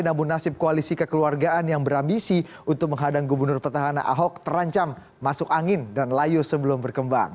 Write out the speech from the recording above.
namun nasib koalisi kekeluargaan yang berambisi untuk menghadang gubernur petahana ahok terancam masuk angin dan layu sebelum berkembang